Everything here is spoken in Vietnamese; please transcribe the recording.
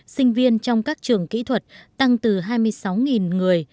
sinh viên trong các trường kỹ thuật tăng từ hai mươi sáu người